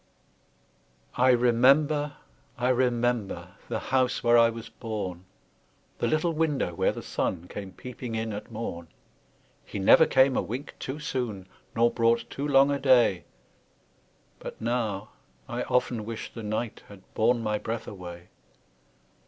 I remember, I remember, The house where I was born, The little window where the sun Came peeping in at morn; He never came a wink too soon, Nor brought too long a day, But now, I often wish the night Had borne my breath away!